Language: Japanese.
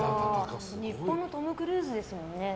日本のトム・クルーズですもんね。